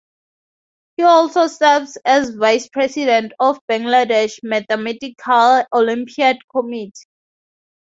He also serves as Vice President of Bangladesh Mathematical Olympiad committee.